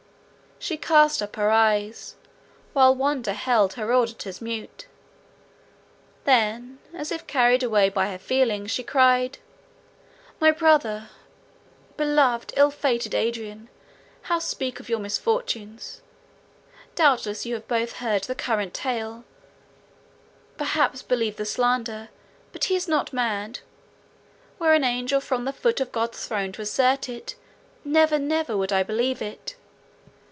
She cast up her eyes, while wonder held her auditors mute; then, as if carried away by her feelings, she cried—"My brother! beloved, ill fated Adrian! how speak of your misfortunes? Doubtless you have both heard the current tale; perhaps believe the slander; but he is not mad! Were an angel from the foot of God's throne to assert it, never, never would I believe it.